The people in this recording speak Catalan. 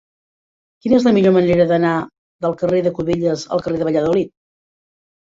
Quina és la millor manera d'anar del carrer de Cubelles al carrer de Valladolid?